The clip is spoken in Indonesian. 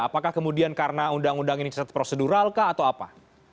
apakah kemudian karena undang undang ini cacat prosedural kah atau apa